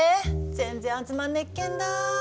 全然集まんねっけんだ。